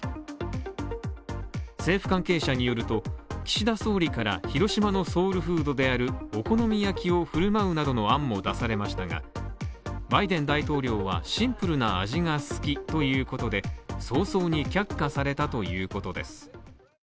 政府関係者によると、岸田総理から広島のソウルフードであるお好み焼きを振る舞うなどの案も出されましたがバイデン大統領はシンプルな味が好きということで早々に却下されたということです。